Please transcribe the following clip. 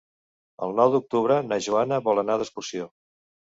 El nou d'octubre na Joana vol anar d'excursió.